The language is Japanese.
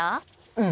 うん！